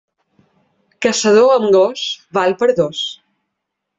Caçador amb gos, val per dos.